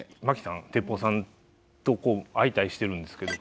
槇さんてっぽうさんと相対してるんですけど。